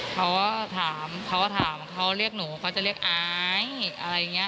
เขาก็ถามเขาเรียกหนูเขาจะเรียกไออะไรอย่างนี้